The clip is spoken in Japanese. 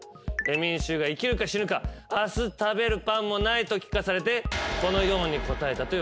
民衆が生きるか死ぬか「明日食べるパンもない」と聞かされてこのように答えたといわれてます。